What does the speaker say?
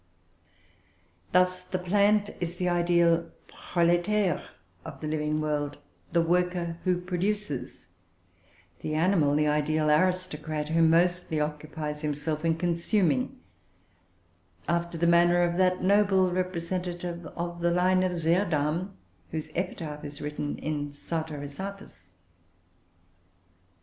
Thus the plant is the ideal prolétaire of the living world, the worker who produces; the animal, the ideal aristocrat, who mostly occupies himself in consuming, after the manner of that noble representative of the line of Zähdarm, whose epitaph is written in "Sartor Resartus."